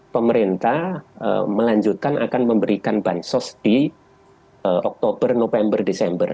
pemerintah melanjutkan akan memberikan bansos di oktober november desember